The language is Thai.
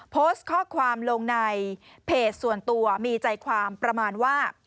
โพสต์ข้อความลงในเพจส่วนตัวมีใจความประมาณว่า